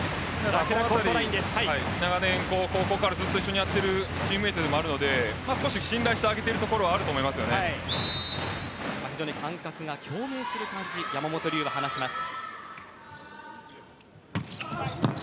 長年、高校からずっと一緒にやっているチームメートでもあるので信頼してあげているところは感覚が共鳴する感じと山本龍が話します。